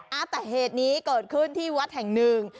อ่ะแต่เหตุนี้เกิดขึ้นที่วัดแห่งหนึ่ง